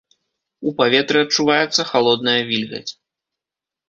У паветры адчуваецца халодная вільгаць.